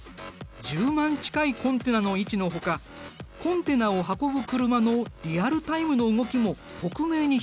１０万近いコンテナの位置のほかコンテナを運ぶ車のリアルタイムの動きも克明に表示されている。